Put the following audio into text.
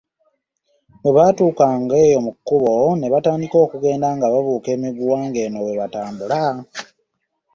Bwe batuukanga eyo mu kkubo ne batandika okugenda nga babuuka emiguwa ng'eno bwe batambula.